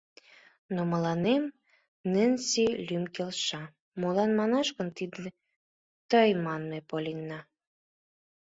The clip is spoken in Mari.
— Но мыланем Ненси лӱм келша, молан манаш гын тиде — тый, — мане Поллианна.